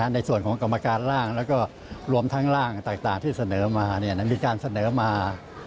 ในส่วนของกรรมการร่างแล้วก็รวมทั้งร่างต่างที่เสนอมามีการเสนอมา